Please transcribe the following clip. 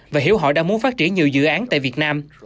và hiểu họ đã muốn phát triển nhiều dự án tại việt nam